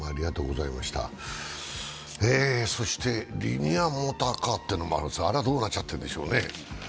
そしてリニアモーターカーというのもあるんですが、あれはどうなっちゃったんでしようかね。